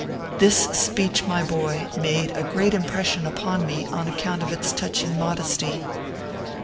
This speech, my boy, made a great impression upon me on account of its touching modesty.